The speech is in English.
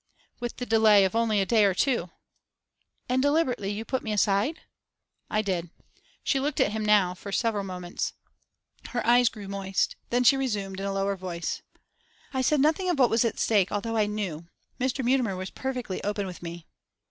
'With the delay of only a day or two.' 'And deliberately you put me aside?' 'I did.' She looked at him now for several moments. Her eyes grew moist. Then she resumed, in a lower voice 'I said nothing of what was at stake, though I knew. Mr. Mutimer was perfectly open with me.